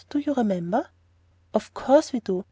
Do you remember?" "Of course we do.